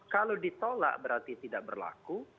kalau ditolak berarti tidak berlaku